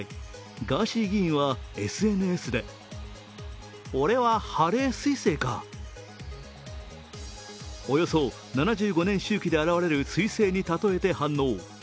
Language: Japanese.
ガーシー議員はＳＮＳでおよそ７５年周期で現れるすい星に例えて反応。